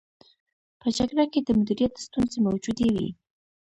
په جګړه کې د مدیریت ستونزې موجودې وې.